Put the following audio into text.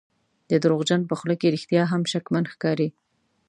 د دروغجن په خوله کې رښتیا هم شکمن ښکاري.